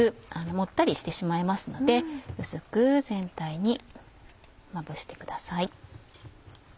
もったりしてしまいますので薄く全体にまぶしてください。